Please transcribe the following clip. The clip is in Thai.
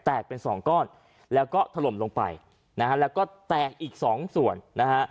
เป็นสองก้อนแล้วก็ถล่มลงไปนะฮะแล้วก็แตกอีกสองส่วนนะฮะ